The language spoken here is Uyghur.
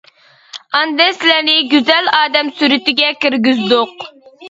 ئاندىن سىلەرنى گۈزەل ئادەم سۈرىتىگە كىرگۈزدۇق.